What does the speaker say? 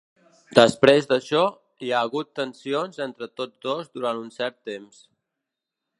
Després d'això, hi ha hagut tensions entre tots dos durant un cert temps.